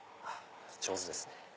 上手ですね。